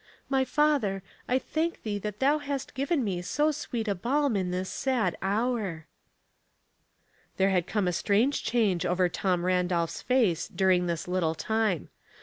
My Father, I thank thee that thou hast given me so sweet a balm in this sad hour." There had come a strange change over Tom Randolph's face during this little time.